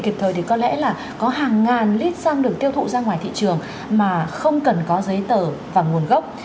kịp thời thì có lẽ là có hàng ngàn lít xăng được tiêu thụ ra ngoài thị trường mà không cần có giấy tờ và nguồn gốc